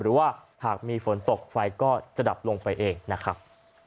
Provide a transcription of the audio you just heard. หรือว่าหากมีฝนตกไฟก็จะดับลงไปเองนะครับ